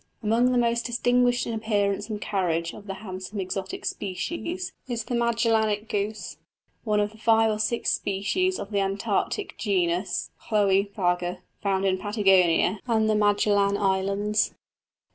Among the most distinguished in appearance and carriage of the handsome exotic species is the Magellanic goose, one of the five or six species of the Antarctic genus Chloëphaga, found in Patagonia and the Magellan Islands.